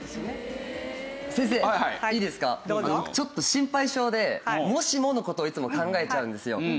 ちょっと心配性でもしもの事をいつも考えちゃうんですよ。